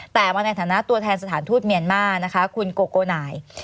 แต่มาในฐานะตัวแทนสถานทูตเมียนมาร์นะคะคุณโกโกนาย